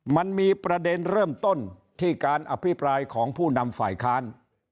มันมีประเด็นเริ่มต้นที่การอภิปรายของผู้นำฝ่ายค้าน